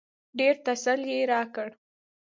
ډېر تسل يې راکړ.